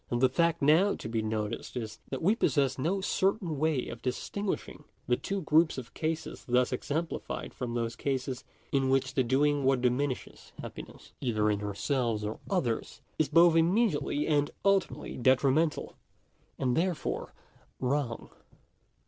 And the fact now to be noticed is, that we possess no certain way of distinguishing the two groups of cases thus exemplified from those cases in which the doing what diminishes happiness, g 2 Digitized by VjOOQIC «4 DERIVATION OF A FIRST PRINCIPLE. either in ourselves or others, is both immediately and ultimately detrimental, and therefore wrong.